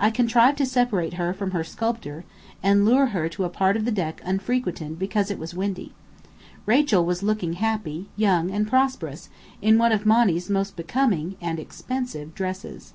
I contrived to separate her from her sculptor, and lure her to a part of the deck unfrequented because it was windy. Rachel was looking happy, young and prosperous, in one of Monny's most becoming (and expensive) dresses.